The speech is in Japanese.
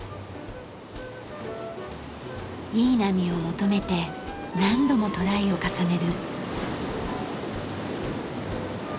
いい波を求めて何度もトライを重ねる。